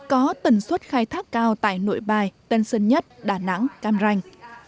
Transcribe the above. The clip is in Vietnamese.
có tần suất khai thác cao tại nội bài tân sơn nhất đà nẵng cam ranh